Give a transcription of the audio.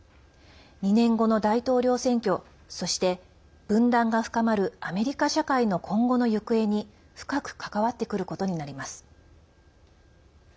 ２年後の大統領選挙そして分断が深まるアメリカ社会の今後の行方に深く関わってくることになります。